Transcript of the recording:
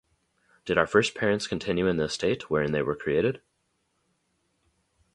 Did our first parents continue in the estate wherein they were created?